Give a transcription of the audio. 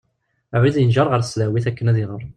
Abrid yenǧer ɣer tesdawit akken ad iɣer.